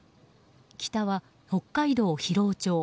北は北海道広尾町